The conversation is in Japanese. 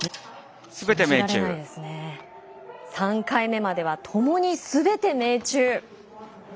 ３回目まではともにすべて命中。